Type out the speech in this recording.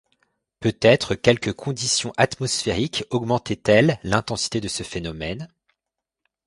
Peut-être quelque condition atmosphérique augmentait-elle l’intensité de ce phénomène ?